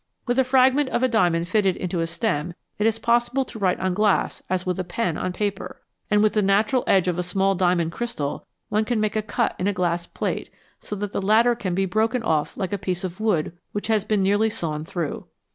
With a fragment of a diamond fitted in a stem it is possible to write on glass as with a pen on paper, and with the natural edge of a small diamond crystal one can make a cut in a glass plate, so that the latter can be broken off like a piece of wood which has been nearly sawn through.